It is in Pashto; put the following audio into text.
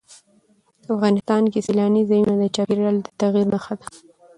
افغانستان کې سیلانی ځایونه د چاپېریال د تغیر نښه ده.